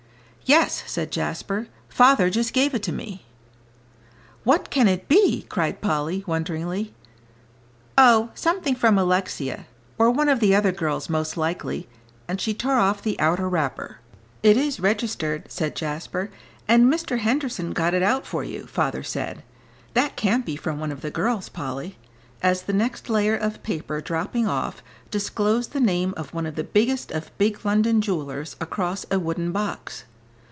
"Yes," said Jasper, "father just gave it to me." "What can it be!" cried Polly, wonderingly; "oh, something from Alexia or one of the other girls, most likely," and she tore off the outer wrapper. "It is registered," said Jasper, "and Mr. Henderson got it out for you, father said; that can't be from one of the girls, Polly," as the next layer of paper dropping off, disclosed the name of one of the biggest of big London jewellers across a wooden box.